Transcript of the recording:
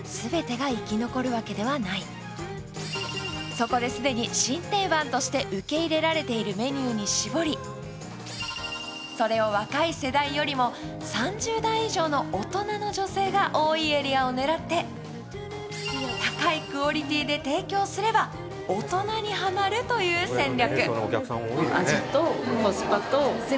そこで、既に新定番として受け入れられているメニューに絞りそれを若い世代よりも３０代以上の大人の女性が多いエリアを狙って、高いクオリティーで提供すれば大人にハマるという戦略。